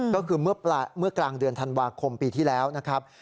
ก็คือเมื่อกลางเดือนธันวาคมปีที่แล้วนะครับ